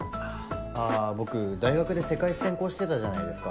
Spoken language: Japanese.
あぁ僕大学で世界史専攻してたじゃないですか。